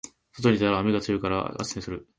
外に出たら雨が強いから明日にする